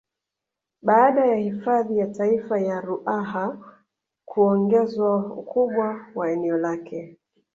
Baada ya hifadhi ya Taifa ya Ruaha kuongezwa ukubwa wa eneo lake